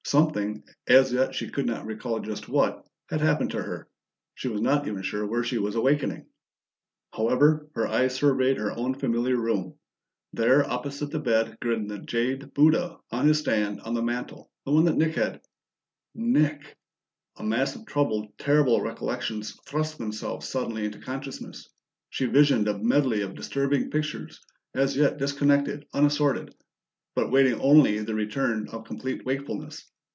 Something, as yet she could not recall just what, had happened to her; she was not even sure where she was awakening. However, her eyes surveyed her own familiar room; there opposite the bed grinned the jade Buddha on his stand on the mantel the one that Nick had Nick! A mass of troubled, terrible recollections thrust themselves suddenly into consciousness. She visioned a medley of disturbing pictures, as yet disconnected, unassorted, but waiting only the return of complete wakefulness.